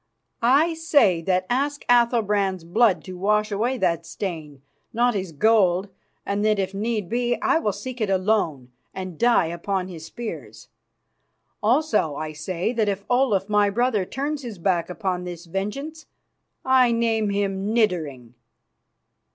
"I say that I ask Athalbrand's blood to wash away that stain, not his gold, and that if need be I will seek it alone and die upon his spears. Also I say that if Olaf, my brother, turns his back upon this vengeance, I name him niddering."